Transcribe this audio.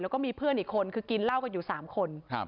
แล้วก็มีเพื่อนอีกคนคือกินเหล้ากันอยู่๓คน